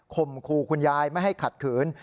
มครูคุณยายไม่ให้ขัดขืน